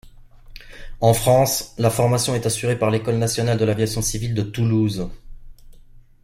En France, la formation est assurée par l'École nationale de l'aviation civile de Toulouse.